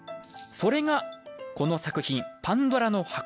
それが、この作品「パンドラの匣」。